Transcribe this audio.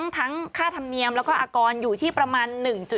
ทั้งค่าธรรมเนียมแล้วก็อากรอยู่ที่ประมาณ๑๕